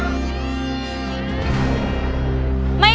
ใช้